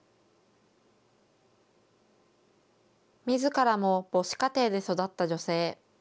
みずからも母子家庭で育った女性。